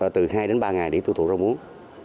từ hai ba ngày để tiêu thụ rau muống